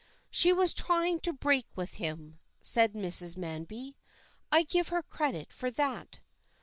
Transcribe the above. "She was trying to break with him," said Mrs. Manby. "I give her credit for that."